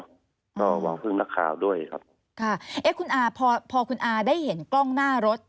ก็หวังพึ่งนักข่าวด้วยครับค่ะเอ๊ะคุณอาพอพอคุณอาได้เห็นกล้องหน้ารถ